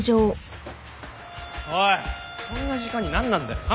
おいこんな時間に何なんだよ。